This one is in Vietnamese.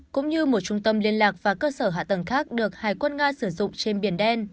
cũng như một trung tâm liên lạc và cơ sở hạ tầng khác được hải quân nga sử dụng trên biển đen